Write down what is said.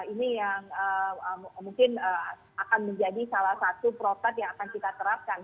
ini yang mungkin akan menjadi salah satu protap yang akan kita terapkan